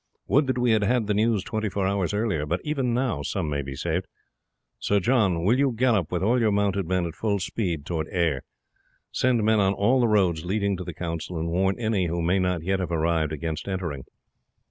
Would that we had had the news twenty four hours earlier; but even now some may be saved. Sir John, will you gallop, with all your mounted men, at full speed towards Ayr. Send men on all the roads leading to the council, and warn any who may not yet have arrived against entering."